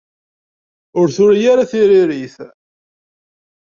Ur turi ara tiririt.